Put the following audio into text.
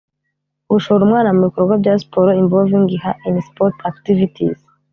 gushora umwana mu bikorwa bya siporo involving him her in sport activities